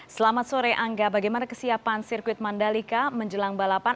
selamat sore angga bagaimana kesiapan sirkuit mandalika menjelang balapan